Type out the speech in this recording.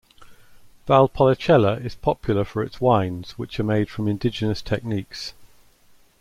Valpolicella is popular for its wines which are made from indigenous techniques.